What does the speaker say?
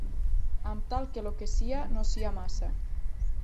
Amb tal que lo que sia no sia massa.